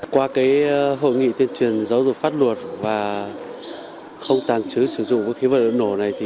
qua hội nghị tiên truyền giáo dục phát luật và không tàng trứ sử dụng vũ khí vật liệu nổ này